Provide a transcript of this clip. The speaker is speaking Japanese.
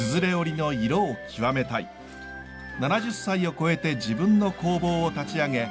７０歳を超えて自分の工房を立ち上げ